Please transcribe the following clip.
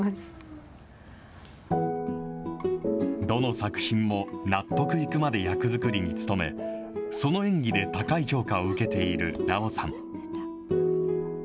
どの作品も納得いくまで役作りに努め、その演技で高い評価を受けている奈緒さん。